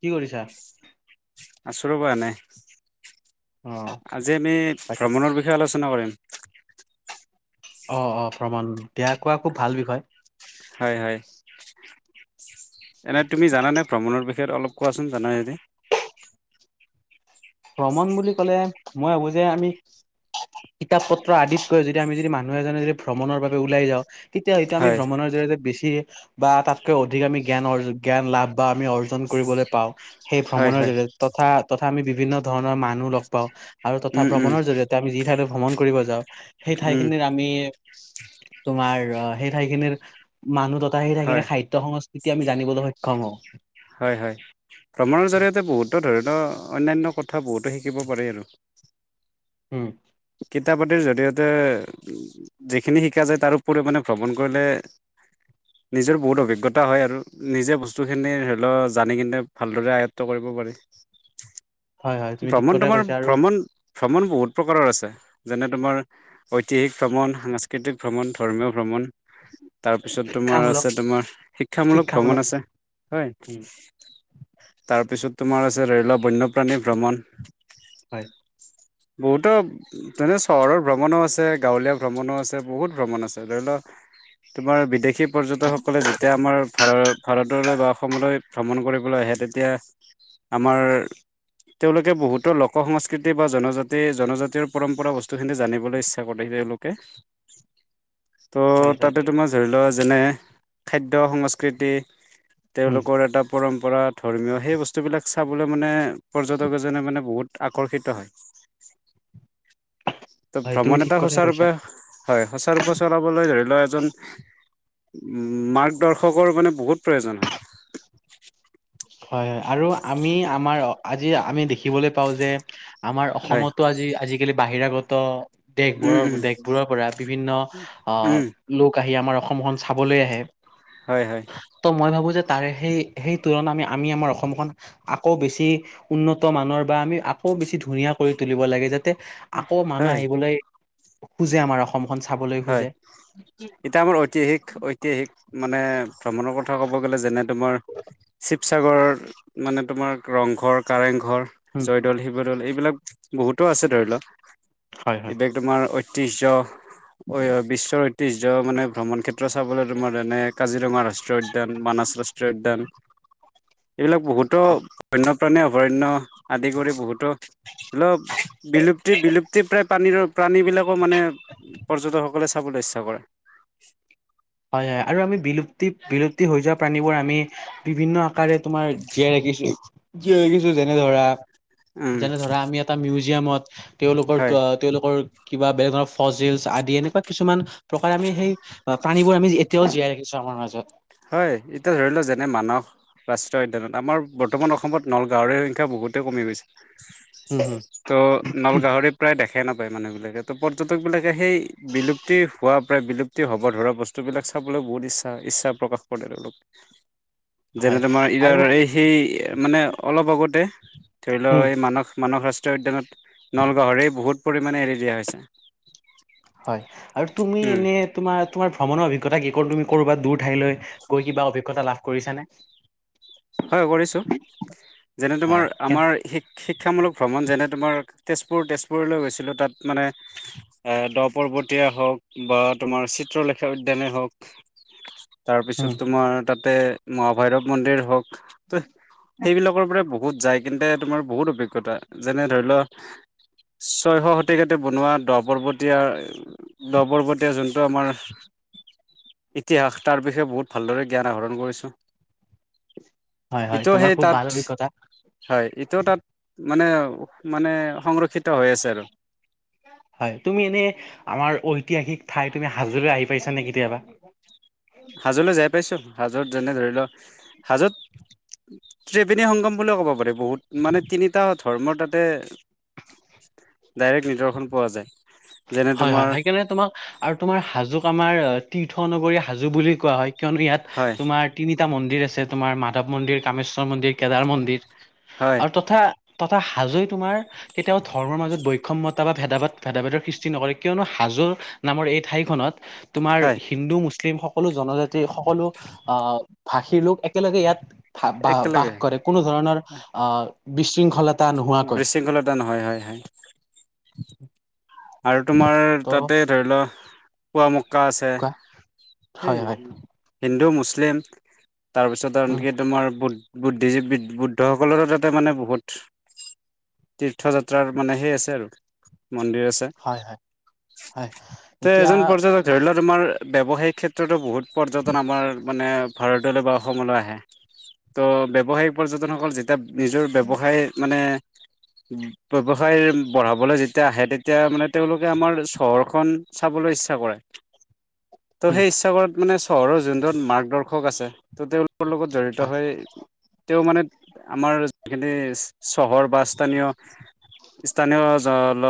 কি কৰিছা? আছোঁ ৰ'বা এনে অ', আজি আমি বাকী ভ্ৰমণৰ বিষয়ে আলোচনা- আলোচনা কৰিম- অ অ ভ্ৰমণ দিয়া কোৱা খুব ভাল বিষয়- হয় হয় এনে তুমি জানানে ভ্ৰমণৰ বিষয়ে- অলপ কোৱাচোন জানাই যদি ভ্ৰমণ বুলি ক'লে মই ভাবো যে আমি কিতাপ পত্ৰ আদিতকৈ যদি আমি যদি মানুহ এজনে যদি ভ্ৰমণৰ বাবে ওলাই যাওঁ তেতিয়া হয়ত আমি হয় ভ্ৰমণৰ জৰিয়তে বেছি বা তাতকৈ অধিক আমি জ্ঞান অ জ্ঞান লাভ বা আমি অৰ্জন কৰিবলৈ পাওঁ। সেই হয় ভ্ৰমণৰ হয়, জৰিয়তে তথা তথা আমি বিভিন্ন ধৰণৰ মানুহ লগ পাওঁ আৰু তথা উম উম ভ্ৰমণৰ জৰিয়তে আমি যি ঠাইলৈ ভ্ৰমণ কৰিব যাওঁ সেই উম, ঠাইখিনিৰ আমি তোমাৰ অ সেই ঠাইখিনিৰ মানুহ তথা সেই হয় ঠাইখিনিৰ খাদ্যয় সংস্কৃতি তেতিয়া আমি জানিবলৈ সক্ষম হওঁ। হয় হয় ভ্ৰমণৰ জৰিয়তে বহুতো ধৰণৰ অন্যান্য কথা বহুতো শিকিব পাৰি আৰু। উম। কিতাপ পাতিৰ জৰিয়তে যি খিনি শিকা যায় তাৰোপৰিও মানে ভ্ৰমণ কৰিলে- নিজৰ বহুত অভিজ্ঞতা হয় আৰু নিজে বস্তু খিনি ধৰি লওক জানি কিনে ভালদৰে আয়ত্ব কৰিব- হব্ পাৰে- হয় হয় তুমি ঠিক ভ্ৰমণ কথা তোমাৰ কৈছা আৰু ভ্ৰমণ- ভ্ৰমণ বহুত প্ৰকাৰৰ আছে, যেনে তোমাৰ ঐতিহাসিক ভ্ৰমণ সাংস্কৃতিক ভ্ৰমণ, ধৰ্মীয় ভ্ৰমণ- ভ্ৰমণ - তাৰপিছত তোমাৰ শিক্ষামূলক আছে তোমাৰ শিক্ষামূলক ভ্ৰমণ আছে, হয় উম তাৰপিছত তোমাৰ আছে ৰেল বন্যপ্ৰাণী ভ্ৰমণ হয় বহুতো ধনে চহৰৰ ভ্ৰমণো আছে গাঁৱলীয়া ভ্ৰমণো আছে বহুত ভ্ৰমণ আছে ধৰি লওক তোমাৰ বিদেশী পৰ্যটকসকলে যেতিয়া আমাৰ ভ ভাৰতলৈ বা অসমলৈ ভ্ৰমণ কৰিবলৈ আহে তেতিয়া আমাৰ তেওঁলোকে বহুতো লোক সংস্কৃতি বা জনজাতি জনজাতিৰ পৰম্পৰা বস্তুখিনি জানিবলৈ ইচ্ছা কৰে। তেওঁলোকে ত' হয় হয় তাতে তু- তোমাৰ ধৰি লোৱা যেনে- খাদ্য সংস্কৃতি উম তেওঁলোকৰ এটা পৰম্পৰা ধৰ্মীয় সেই বস্তুবিলাক চাবলৈ মানে পৰ্যটক এজনে মানে বহুত আকৰ্ষিত হয়। ত' হয় তুমি ভ্ৰমণ ঠিক এটা কথা কৈছা সুচাৰুৰূপে হয় সুচাৰুৰূপে চলাবলৈ ধৰি লও এজন মাৰ্গদৰ্শকৰ মানে বহুত প্ৰয়োজন হয়। হয় হয় আৰু আমি আমাৰ আজি আমি দেখিবলৈ পাও যে আমাৰ হয় অসমতো আজি আজিকালি বাহিৰাগত উম দেশবোৰৰ উম দেশবোৰৰ পৰা বিভিন্ন আহ উম লোক আহি আমাৰ অসমখন চাবলৈ আহে, হয় হয় ত মই ভাবো যে তাৰে সেই সেই তুলনাত আমি আমাৰ অসমখন আকৌ বেছি উন্নত মানৰ বা আমি আকৌ বেছি ধুনীয়া কৰি ত- তুলিব লাগে যাতে আকৌ মানুহ হয় আহিবলৈ খোজে আমাৰ অসম হয়, এতিয়া আমাৰ ঐতিহাসিক ঐতিহাসিক মানে ভ্ৰমণৰ কথা ক'ব গ'লে যেনে তোমাৰ শিৱ- শিৱসাগৰ মানে তোমাৰ ৰংঘৰ, কাৰেংঘৰ, উম, জয়দৌল, শিৱদৌল এইবিলাক বহুতো আছে ধৰি লও হয় হয় এইবিলাক তোমাৰ ঐতিহ্য বিশ্বৰ ঐতিহ্য মানে ভ্ৰমণ ক্ষেত্ৰ চাবলৈ তোমাৰ এনে কাজিৰঙা ৰাষ্ট্ৰীয় উদ্যান, মানছ ৰা- ষ্ট্ৰ উদ্যান [inaudible] এইবিলাক বহুতো বন্যপ্ৰাণীয়ে অভয়াৰণ্য আদি কৰি বহুতো ধৰি লওঁক বিলুপ্তি বিলুপ্তি প্ৰায় পানীৰ প্ৰাণী বিলাকো মানে পৰ্যটকসকলে চাবলে ইচ্ছা কৰে। হয় হয় আৰু আমি বিলুপ্তি বিলুপ্তি হৈ যোৱা প্ৰাণীবোৰ আমি বিভিন্ন আকাৰে তোমাৰ জীয়াই ইছ ইছ জিয়ই গৈছে যেনে ধৰা উম যেনে ধৰা আমি এটা মিউজিয়ামত তেওঁলোকৰ হয় তেওঁলোকৰ কিবা বেলেগ ধৰণৰ ফজিলচ আদি এনেকুৱা কিছুমান প্ৰকাৰে আমি সেই প্ৰাণীবোৰ আমি এতিয়াও জীয়াই ৰাখিছো আমাৰ মাজত। হয় এতিয়া ধৰি লও যেনে মানস ৰাষ্ট্ৰীয় উদ্যানত আমাৰ বৰ্তমান অসমত নলগাহৰি সংখ্যা বহুতেই কমি গৈছে। হম হম ত' নল গাহৰি প্ৰায় দেখাই নাপায় মানুহ বিলাকে তো পৰ্যটক বিলাক সেই বিলুপ্তি হোৱা বা বিলুপ্তি হ'ব ধৰা বস্তুবিলাক চাবলৈ বহুত ইচ্ছা ইচ্ছা প্ৰকাশ পৰটেল আৰু অলপ যেনে হয় তোমাৰ আৰু এই সেই মানে অলপ আগতে ধৰি লও হম এই মানস মানস ৰাষ্ট্ৰ ৰাষ্ট্ৰীয় উদ্যানত নলগাহৰি বহুত পৰিমাণে এৰি দিয়া হৈছে হয় আৰু তুমি উম এনে তোমাৰ তোমাৰ ভ্ৰমণৰ অভিজ্ঞতা কি? ক'ত তুমি কৰবাত দূৰ ঠাইলৈ গৈ কিবা অভিজ্ঞতা লাভ কৰিছা নে? হয় কৰিছোঁ যেনে তোমাৰ হয় আমাৰ শিক শিক্ষামূলক ভ্ৰমণ যেনে তোমাৰ তেজপুৰ তেজপুৰলৈ গৈছিলোঁ তাত মানে দ পৰ্বতিয়া হওক বা তোমাৰ চিত্ৰলেখা উদ্যানে হওক উম তাৰপিছত তোমাৰ তাতে মহাভৈৰৱ মন্দিৰ হওক ত সেইবিলাকৰ পৰা বহু- বহুত যায় কিন্তে তোমাৰ বহুত অভিজ্ঞতা যেনে ধৰি ল ছয়শ শতিকতে বনোৱা দ পৰ্বতীয়া দহ পৰ্বতীয়া যোনটো আমাৰ ইতিহাস তাৰ বিষয়ে বহুত ভালদৰে জ্ঞান আহৰণ কৰিছোঁ। হয় হয় ইটো তোমাৰ সেই খুব ভাল তাত অভিজ্ঞতা হয় ইটো তাত মানে মানে সংৰক্ষিত হৈ আছে আৰু হয় তুমি এনেই আমাৰ ঐতিহাসিক ঠাই তুমি হাজো লৈ আহি পাইছানে কেতিয়াবা? হাজোলৈ যায় পাইছো হাজোত যেনে ধৰি লও হাজোত ত্ৰিৱেণী সংগম বুলিও ক'ব পাৰি বহুত মানে তিনিটা ধৰ্মৰ তাতে ডাইৰেক্ট নিদৰ্শন পোৱা যায় যেনে হয় হয় তোমাৰ সেইকাৰণে তোমাক আৰু তোমাৰ হাজোক আমাৰ তীৰ্থ নগৰি হাজো বুলি কোৱা হয় কিয়নো ইয়াত হয় তোমাৰ তিনিটা মন্দিৰ আছে তোমাৰ মাধৱ মন্দিৰ কামেশ্বৰ মন্দিৰ কেদাৰ মন্দিৰ হয় আৰু তথা হাজোই তোমাৰ কেতিয়াও ধৰ্মৰ মাজত বৈষম্যতা বা ভেদাভেদ ভেদা ভেদাৰ সৃ সৃষ্টি নকৰে কিয়নো হাজোৰ নামৰ এই ঠাইখনত তোমাৰ হয় হিন্দু মুছলিম সকলো জনজাতীয় যি সকলো অহ ভাষিৰ লোক একেলগে ইয়াত বা বা বাস একেলগে কৰে কোনো ধৰণৰ অহ বিশৃংখলা বিশৃংখলা নহয় হয় হয় আৰু তোমাৰ ত' তাতে ধৰি লোৱা পোৱা মুখ কা আছে কোৱা সেই হয় হয় হিন্দু মুছলিম মুছলিম তাৰপিছত উম আনকি তোমাৰ বুদ্ধ বুদ্ধিজীৱ বুদ্ধ সকলৰো তাতে মানে বহুত তীৰ্থ যাত্ৰাৰ মানে সেই আছে আৰু মন্দিৰ আছে হয় হয় হয় তে এতিয়া এজন পৰ্যটক ধৰিলোৱা তোমাৰ ব্যৱসায়িক ক্ষেত্ৰতো বহুত পৰ্যটন আমাৰ মানে ভাৰতলৈ বা অসমলৈ আহে ত' ব্যৱসায়িক পৰ্যটন সকল যেতিয়া নিজৰ ব্যৱসায় মানে ব্যৱসায় বঢ়াবলৈ যেতিয়া আহে তেতিয়া মানে তেওঁলোকে আমাৰ চহৰখন চাবলৈ ইচ্ছা কৰে ত' উম সেই ইচ্ছা কৰাত মানে চহৰৰ জোনজন মাৰ্গদৰ্শক আছে ত' তেওঁলোকৰ লগত জড়িত হয় হৈ তেওঁ মানে আমাৰ যিখিনি চহৰ বা স্থানীয় স্থানীয় জ ল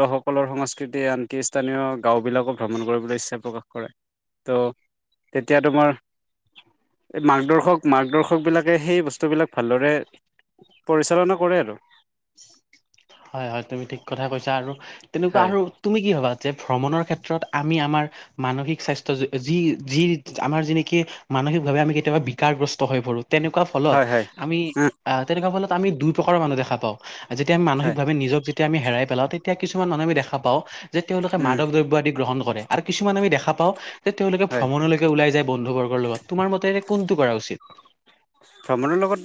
লো লোকসকলৰ সংস্কৃতিয়ে আনকি স্থানীয় গাঁওবিলাকো ভ্ৰমণ কৰিবলৈ ইচ্ছা প্ৰকাশ কৰে ত' তেতিয়া তোমাৰ এই মাৰ্গদৰ্শক মাৰ্গদৰ্শক বিলাকে সেই বস্তুবিলাক ভালদৰে পৰিচালনা কৰে আৰু হয় হয় তুমি ঠিক কথাই কৈছা আৰু তেনেকুৱা হয় আৰু তুমি কি ভাবা যে ভ্ৰমণৰ ক্ষেত্ৰত আমি আমাৰ মানসিক স্বাস্থ্য যি যি আমাৰ যিনেকি মানসিক ভাৱে আমি কেতিয়াবা বিকাৰগ্ৰস্ত হৈ পৰোঁ। তেনেকুৱা ফলত হয় হয় আমি উম আ আমি দুই প্ৰকাৰ মানুহ দেখা পাও যেতিয়া আমি মানসিক হয় আমি নিজক যেতিয়া আমি হেৰাই পেলাও তেতিয়া কিছুমানুহ আমি দেখা পাওঁ যে তেওঁলোকে উম মাদক দ্ৰব্য আদি গ্ৰহণ আৰ কিছুমান আমি দেখা পাওঁ যে তেওঁলোকে হয় ভ্ৰমণলৈকে ওলাই যায় বন্ধুবৰ্গৰ লগত তোমাৰ মতে কোনটো কৰা [unintelligible] ভ্ৰমণৰ লগত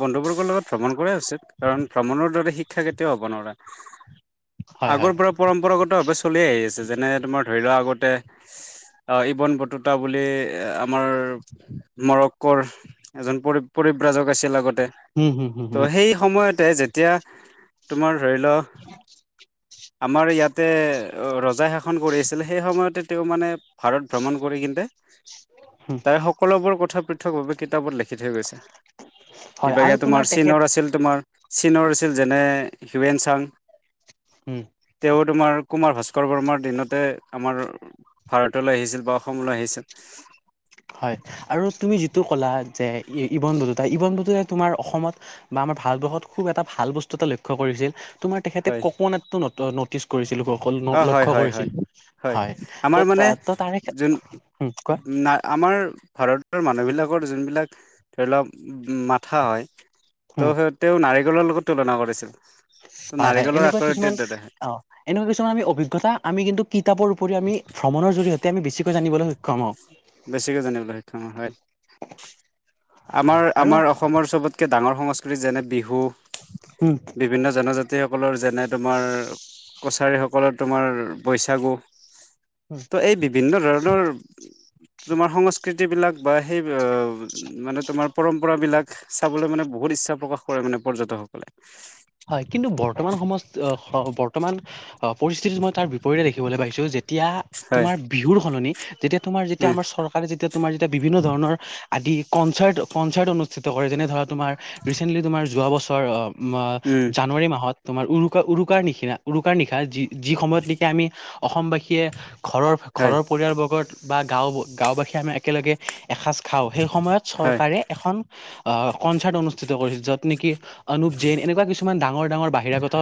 বন্ধুবৰ্গৰ লগত ভ্ৰমণ কৰা উচিত কাৰণ ভ্ৰমণৰ দৰে শিক্ষা কেতিয়াও হ'ব নোৱাৰে। হয় আগৰ হয় পৰা পৰম্পৰাগত ভাৱে চলি আহি আছে যেনে তোমাৰ ধৰি লোৱা আগতে অহ, ইবন বটুতা বুলি আমাৰ মৰক্কৰ এজন পৰি পৰিব্ৰাজক আছিল আগতে উম হুম হুম ত' হুম সেই সময়তে যে এতিয়া তোমাৰ ধৰি ল ' আমাৰ ইয়াতে ৰজাই শাসন সন কৰি আছিল সেই সময়তে তেওঁ মানে ভাৰত ভ্ৰমণ কৰি কিন্তে হুম তাই সকলোবোৰ কথা পৃথকভাৱে কিতাপত লিখি থৈ গৈছে হয় এইভাগে আৰু তোমাৰ তেখেত চীনৰ আছিল তোমাৰ চীনৰ আছিল যেনে হিউৱেন চাং উম তেওঁ তোমাৰ কুমাৰ ভাস্কৰ বৰ্মাৰ দিনতে আমাৰ ভাৰতলৈ আহিছিল বা অসমলৈ আহিছিল হয় আৰু তুমি যিটো কলা যে ইবন দদতাই ইবন দদতাই তোমাৰ অসমত বা আমাৰ ভাৰতবৰ্ষত খুব এটা ভাল বস্তু এটা লক্ষ্য কৰিছিল তোমাৰ তেখেতে হয় কক নেতটো নটিচ কৰিছিল অ [unintelligible] হয় লক্ষ্য হয় হয় কৰিছিল হয় আমাৰ ত' মানে তা-তাৰে যোন কোৱা না আমাৰ ভাৰতৰ মানুহবিলাকৰ যোনবিলাক ধৰি লওক মাথা হয় উম ত' সিহঁতে নাৰিকলৰ লগত তুলনা কৰিছিল ত' হয় -হয় নাৰিকলৰ এনেকুৱা আকৃতিৰ কিছুমান দৰেহে অগ এনেকুৱা কিছুমান আমি অভিজ্ঞতা আমি কিন্তু কিতাপৰ উপৰিও আমি ভ্ৰমণৰ জৰিয়তে আমি বেছিকৈ জানিবলৈ সক্ষম হওঁ। বেছিকে জানিবলৈ সক্ষম হয় আমাৰ হয় আৰু -আমাৰ অসমৰ চবতকে ডাঙৰ সংস্কৃতি যেনে-বিহু উম বিভিন্ন জনজাতি সকলৰ যেনে তোমাৰ কছাৰী হক অকলৰ তোমাৰ বৈছাগু তো এই বিভিন্ন ধৰণৰ তোমাৰ সংস্ক সংকৃতিবিলাক বা সেই মানে তোমাৰ পৰম্পৰাবিলাক চাবলৈ মানে বহুত ইচ্ছা প্ৰকাশ কৰে মানে পৰ্যটকসকলে হয় কিন্তু অগ পৰিস্থিতিত মই তাৰ বিপৰীতে দেখিবলৈ পাইছো যে তিয়া হয় তোমাৰ বিহুৰ সলনি যেতিয়া তোমাৰ যেতিয়া উম আমাৰ চৰকাৰে যেতিয়া তোমাৰ যেতিয়া বিভিন্ন ধৰণৰ আদি কনচাৰ্ট -কনচাৰ্ট অনুষ্ঠিত কৰে যেনে ধৰা তোমাৰ ৰিচেণ্টলি তোমাৰ যোৱা বছৰ আহ, উম জানুৱাৰী মাহত তোমাৰ উৰুকা- উৰুকাৰ নিশিনা উৰুকাৰ নিশা যি যি সময়ত নেকি আমি অসমবাসীয়ে ঘৰৰ- হয় ঘৰৰ পৰিয়ালবৰ্গত বা গাঁও গাঁওবাসীয়ে আমি একেলগে এসাঁজ খাওঁ সেই সময়ত হয় চৰকাৰে এখন অহ, কনচাৰ্ট অনুষ্ঠিত কৰিছিল যত নেকি অনুপ জৈন এনেকুৱা কিছুমান ডাঙৰ -ডাঙৰ বাহিৰাগত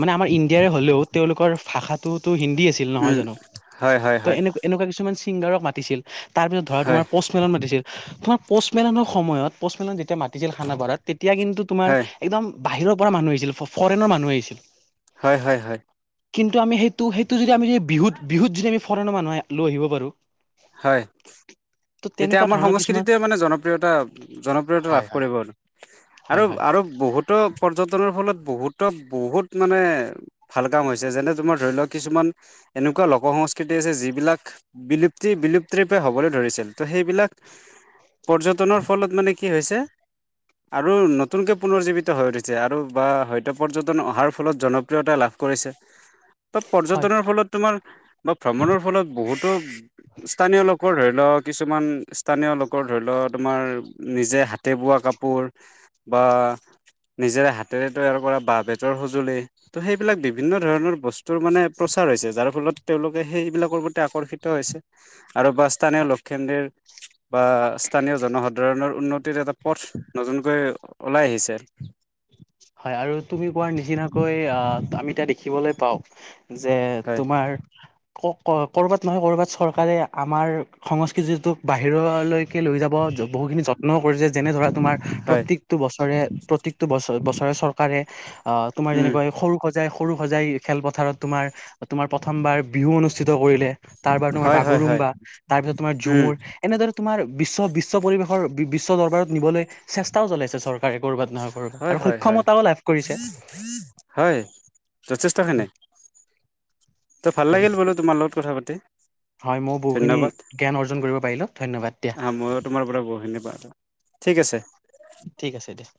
মানে আমাৰ ইণ্ডিয়াৰে হ'লেও তেওঁলোকৰ ভাষাটোত তো হিন্দী আছিল নহয় উম জানো হয় হয় ত' হয় এনে এনেকুৱা কিছুমান ছিংগাৰক মাতিছিল তাৰপিছত ধৰা হয় তোমাৰ পচ মেলন মাতিছিল তোমাৰ পৌচমেলনৰ সময়ত পৌচমেলন যেতিয়া মাতিছিল খানা পাৰাত তেতিয়া কিন্তু তোমাৰ হয় একদম বাহিৰৰ পৰা মানুহ আহিছিল ফৰেনৰ মানুহ আহিছিল। হয় -হয় -হয় কিন্তু আমি সেইটো -সেইটো যদি আমি যদি বিহুত- বিহুত যদি আমি ফৰেণৰ মানুহ লৈ আহিব পাৰোঁ হয়। তেতিয়া আমাৰ ধৰণৰ কিছুমান সংস্কৃতিটোৱে মানে জনপ্ৰিয়তা- জনপ্ৰিয়তা লাভ হয় হয় কৰিব আৰু- আৰু হয় হয় - আৰু বহুতো পৰ্যটনৰ ফলত বহুতক - বহুত মানে ভাল কাম হৈছে যেনে তোমাৰ ধৰি লোৱা কিছুমান এনেকুৱা লোক -সংস্কৃতি আছে যিবিলাক বিলুপ্তি -বিলুপ্তিৰূপে হবলৈ ধৰিছিল। ত সেইবিলাক পৰ্যটনৰ ফলত মানে কি হৈছে আৰু নতুনকে পুনৰজীৱিত হৈ উঠিছে আৰু বা হয়তো পৰ্যটন অহাৰ ফলত জনপ্ৰিয়তা লাভ কৰিছে ত হয় পৰ্যটনৰ ফলত তোমাৰ বা ভ্ৰমণৰ ফলত বহুতো স্থানীয় লোকৰ লওক কিছুমান স্থানীয় লোকৰ ধৰি ল তোমাৰ নিজে হাতে বোৱা কাপোৰ বা নিজেৰে হাতেৰে তৈয়াৰ কৰা বা- বেতৰ সঁজুলি ত সেইবিলাক বিভিন্ন ধৰণৰ বস্তুৰ মানে প্ৰস্তুত হৈছে যাৰ ফলত তেওঁলোকে সেইবিলাকৰ প্ৰতি আকৰ্ষিত হৈছে আৰু বাস্তানে খেন্দৰ বা স্থানীয় জনসাধাৰণৰ উন্নতিৰ এটা পথ নতুনকৈ ওলাই আহিছে হয় আৰু তুমি কোৱাৰ নিচিনাকৈ আহ আমি এতিয়া দেখিবলৈ পাওঁ যে হয়। তোমাৰ ক'ৰবাত নহয় ক'ৰবাত চৰকাৰে আমাৰ সংস্কৃতিটোক বাহিৰলৈকে লৈ যাব বহুখিনি যত্ন কৰিছে যেনে ধৰা তোমাৰ হয় প্ৰত্যেকটো বস্তু প্ৰত্যেকটো বছ বছৰে চৰকাৰে অ' তোমাৰ উম যেনেকুৱা সৰু সজাই -সৰু সজাই খেলপথাৰত তোমাৰ -তোমাৰ প্ৰথমবাৰ বিহু অনুষ্ঠিত কৰিলে তাৰ পৰা তোমাৰ হয় হয় হয় বাগুৰুম্বা, তাৰ পিছত তোমাৰ উম ঝুমুৰ এনেদৰে তোমাৰ বিশ্ব -বিশ্ব পৰিৱেশৰ বিশ্ব দৰবাৰত নিবলৈ চেষ্টাও চলাইছে চৰকাৰে ক'ৰবাত নহয় ক'ৰবাত হয় আৰু -হয় -হয় সক্ষমতাও লাভ কৰিছে -হয় যথেষ্টখিনি। [inaudible] তো ভাল ত লাগিল বোলো তোমাৰ লগত কথা পাতি হয় মইও বহুখিনি ধন্যবাদ জ্ঞান অৰ্জন কৰিব পাৰিলো ধন্যবাদ দিয়া আহ মইও তোমাৰ পৰা বহুত ধন্যবাদ ঠিক আছে ঠিক আছে দিয়া